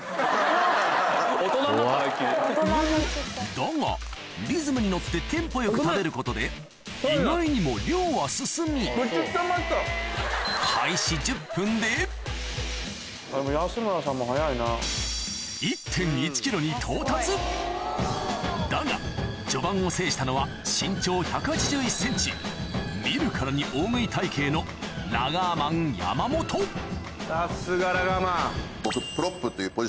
だがリズムに乗ってテンポよく食べることで意外にも量は進みに到達だが序盤を制したのは見るからに大食い体形のラガーマン山本さすがラガーマン。